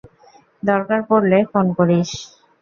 দরকার পড়লে ফোন করিস।